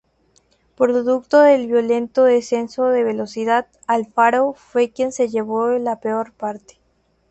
Producto del violento descenso de velocidad, Alfaro fue quien se llevó la peor parte.